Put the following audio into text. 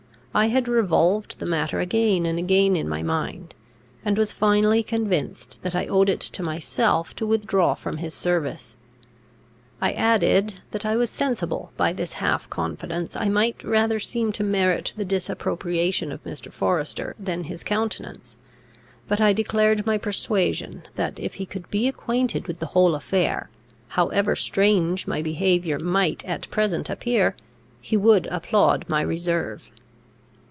I had revolved the matter again and again in my mind, and was finally convinced that I owed it to myself to withdraw from his service. I added, that I was sensible, by this half confidence, I might rather seem to merit the disapprobation of Mr. Forester than his countenance; but I declared my persuasion that, if he could be acquainted with the whole affair, however strange my behaviour might at present appear, he would applaud my reserve.